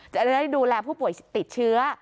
จะได้ดูแลผู้ป่วยติดเชื้อ